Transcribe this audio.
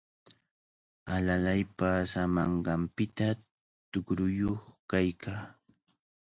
Alalay paasamanqanpita tuqruyuq kaykaa.